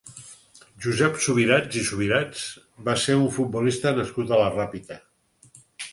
Josep Subirats i Subirats va ser un futbolista nascut a la Ràpita.